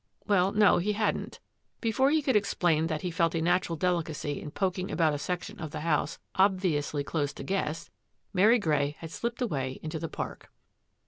" Well, no, he hadn't. Before he could explain that he felt a natural delicacy in poking about a section of the house obviously closed to guests, Mary Grey had slipped away into the park.